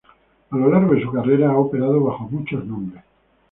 A lo largo de su carrera ha operado bajo muchos nombres.